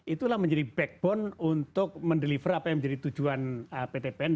itulah menjadi backbone untuk mendeliver apa yang menjadi tujuan pt pn